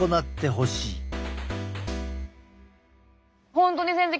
本当に先生